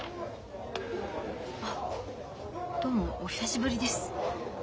あどうもお久しぶりです。